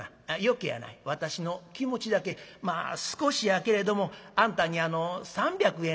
うけやない私の気持ちだけまあ少しやけれどもあんたに３００円